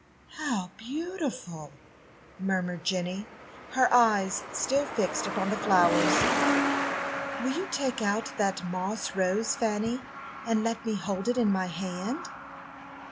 "How beautiful!" murmured Jenny, her eyes still fixed upon the flowers. "Will you take out that moss rose, Fanny, and let me hold it in my hand?"